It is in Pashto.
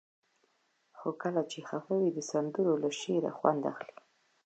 خو کله چې خفه وئ د سندرې له شعره خوند اخلئ.